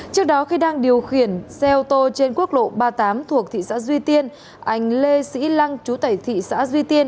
trước đó khi đang điều khiển xe ô tô trên quốc lộ ba mươi tám thuộc thị xã duy tiên anh lê sĩ lăng chú tẩy thị xã duy tiên